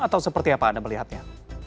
atau seperti apa anda melihatnya